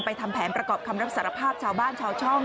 ทำแผนประกอบคำรับสารภาพชาวบ้านชาวช่อง